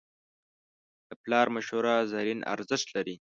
د پلار مشوره زرین ارزښت لري.